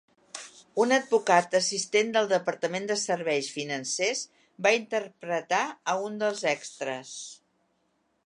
Un advocat assistent del Departament de Serveis Financers va interpretar a un dels extres.